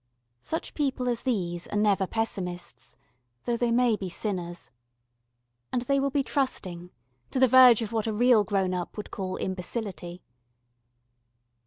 Such people as these are never pessimists, though they may be sinners; and they will be trusting, to the verge of what a real grown up would call imbecility.